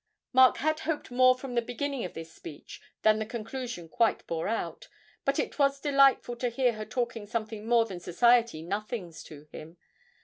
Mark had hoped more from the beginning of this speech than the conclusion quite bore out, but it was delightful to hear her talking something more than society nothings to him.